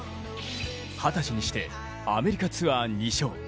二十歳にしてアメリカツアー２勝。